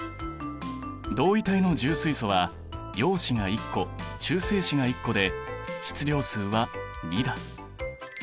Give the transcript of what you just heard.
同位体の重水素は陽子が１個中性子が１個で質量数は２だ。